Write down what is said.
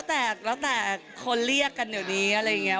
แต่แล้วแต่คนเรียกกันเดี๋ยวนี้อะไรอย่างนี้